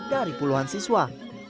dari puluhan siswa